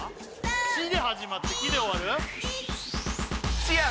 ちで始まってきで終わる？